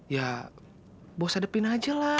ya bos hadepin aja lah